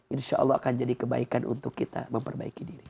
insya allah akan jadi kebaikan untuk kita memperbaiki diri